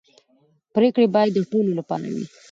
پرېکړې باید د ټولو لپاره وي